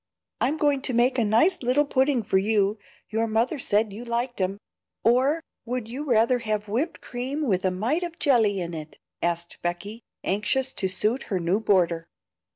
"I'm going to make a nice little pudding for you; your mother said you liked 'em; or would you rather have whipped cream with a mite of jelly in it?" asked Becky, anxious to suit her new boarder.